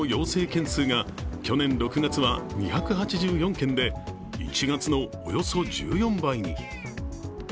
件数が去年６月は２８４件で、１月のおよそ１４倍に。